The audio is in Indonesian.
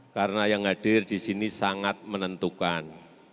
karena yang hadir disini sangat menentukan